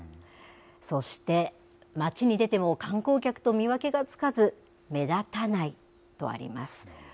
そして、町に出ても観光客と見分けがつかず、目立たないとあります。